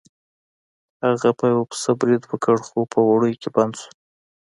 هغه په یو پسه برید وکړ خو په وړیو کې بند شو.